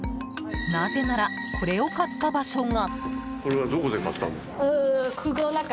なぜならこれを買った場所が。